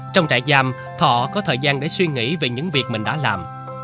trong trại giam thọ có thời gian để suy nghĩ về những việc mình đã làm